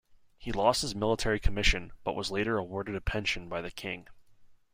He lost his military commission, but was later awarded a pension by the king.